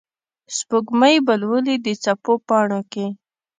سپوږمۍ به لولي د څپو پاڼو کې